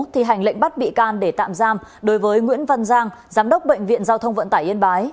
thi hành lệnh bắt bị can để tạm giam đối với nguyễn văn giang giám đốc bệnh viện giao thông vận tải yên bái